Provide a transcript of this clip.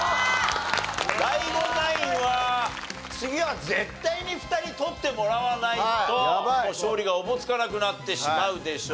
ＤＡＩＧＯナインは次は絶対に２人取ってもらわないと勝利がおぼつかなくなってしまうでしょう。